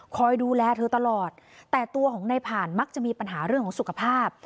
คอยดูแลเธอตลอดแต่ตัวของในผ่านมักจะมีปัญหาเรื่องของสุขภาพ